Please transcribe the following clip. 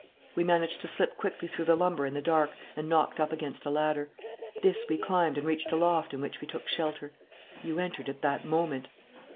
We managed to slip quickly through the lumber in the dark and knocked up against a ladder. This we climbed and reached a loft in which we took shelter. You entered at that moment....